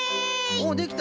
おっできた！